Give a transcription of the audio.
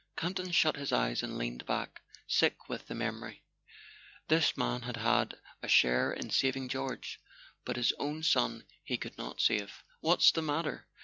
Campton shut his eyes and leaned back, sick with the memory. This man had had a share in saving George; but his own son he could not save. "What's the matter?"